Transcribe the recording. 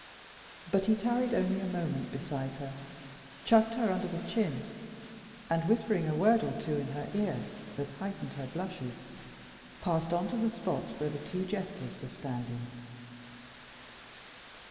But he tarried only a moment beside her, chucked her under the chin, and, whispering a word or two in her ear that heightened her blushes, passed on to the spot where the two jesters were standing.